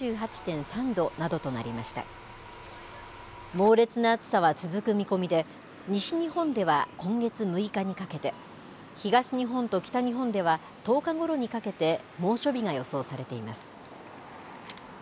猛烈な暑さは続く見込みで西日本では今月６日にかけて東日本と北日本では１０日ごろにかけて猛暑日が予想されています。